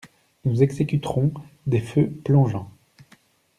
Nous exécuterons des feux plongeants.